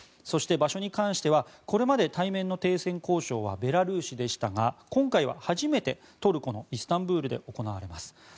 そして場所に関してはこれまで対面の停戦交渉はベラルーシでしたが今回は初めてトルコのイスタンブールで行われます。